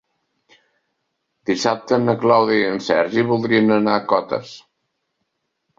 Dissabte na Clàudia i en Sergi voldrien anar a Cotes.